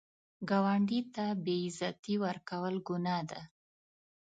ګاونډي ته بې عزتي ورکول ګناه ده